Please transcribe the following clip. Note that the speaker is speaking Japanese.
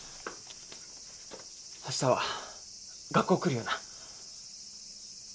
明日は学校来るよな？